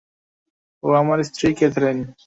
ও আমার স্ত্রী, ক্যাথেরিন।